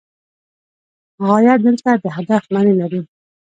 غایه دلته د هدف معنی لري.